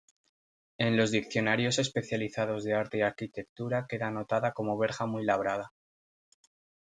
En los diccionarios especializados de arte y arquitectura queda anotada como "verja muy labrada".